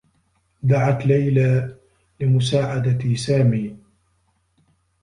دعت ليلى لمساعدة سامي.